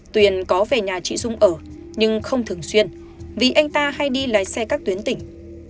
tuyền có về nhà chị dung ở nhưng không thường xuyên vì anh ta hay đi lái xe các tuyến tỉnh